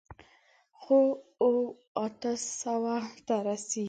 خو، اوو، اتو سووو ته رسېږي.